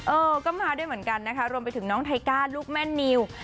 เออก็มาด้วยเหมือนกันนะคะรวมไปถึงน้องไทก้าลูกแม่นิว